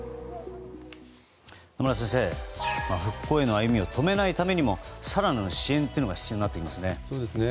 野村先生復興への歩みを止めないためにも更なる支援というのが必要になっていますね。